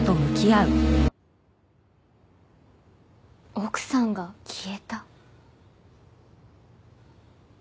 奥さんが消えた？